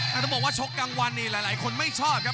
นี่ก็บอกว่าชกกังวันอีกหลายคนไม่ชอบครับ